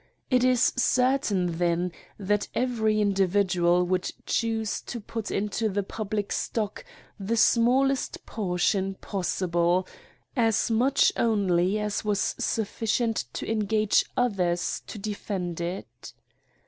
It is certain, then, that every individual would choose to put into the pub lie stock the smallest portion possible, as much only as was sufficient to engage others to defend it.